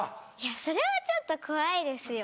それはちょっと怖いですよ。